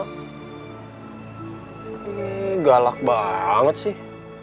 nih galak banget sih